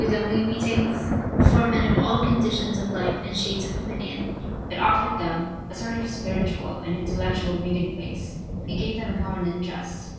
W. W. meetings before men of all conditions of life and shades of opinion. It afforded them a sort of spiritual and intellectual meeting place, it gave them a common interest.